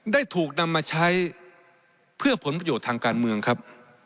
ได้ถูกนำมาใช้เพื่อผลประโยชน์ทางการเมืองครับ